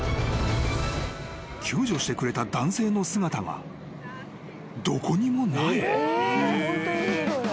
［救助してくれた男性の姿がどこにもない］